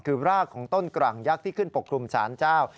คือรากของต้นกร่างยักษ์ที่ขึ้นปกคลุมศาลเจ้า